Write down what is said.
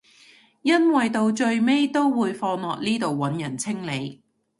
因為到最尾都會放落呢度揾人清理